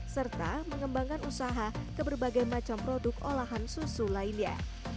serta mengembangkan usaha ke berbagai macam produk olahan susu lainnya